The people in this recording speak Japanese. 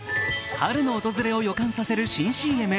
春の訪れを予感させる新ＣＭ。